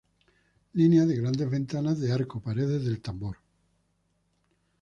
Línea de grandes ventanas de arco paredes del tambor.